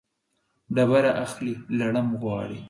ډبره اخلي ، لړم غواړي.